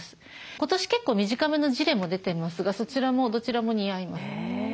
今年結構短めのジレも出てますがそちらもどちらも似合います。